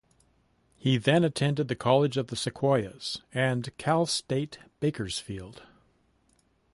He then attended the College of the Sequoias, and Cal State Bakersfield.